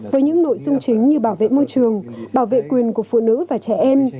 với những nội dung chính như bảo vệ môi trường bảo vệ quyền của phụ nữ và trẻ em